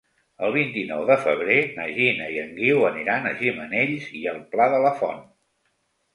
El vint-i-nou de febrer na Gina i en Guiu aniran a Gimenells i el Pla de la Font.